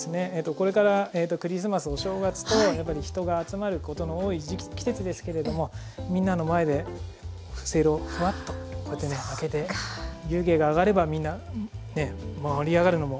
これからクリスマスお正月とやっぱり人が集まることの多い時期季節ですけれどもみんなの前でせいろをフワッとこうやってね開けて湯気が上がればみんなね盛り上がるのも間違いなし。